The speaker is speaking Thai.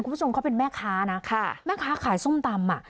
คุณผู้ชมเขาเป็นแม่ค้าแม่ค้าขายส้มตำ